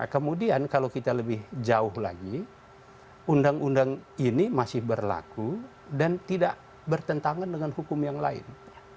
kemudian kalau kita lebih jauh lagi undang undang ini masih berlaku dan tidak bertentangan dengan hukum yang lain